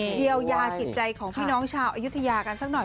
เยียวยาจิตใจของพี่น้องชาวอยุธยากันสักหน่อย